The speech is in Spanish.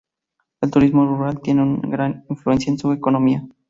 El turismo rural tiene una gran influencia en su economía.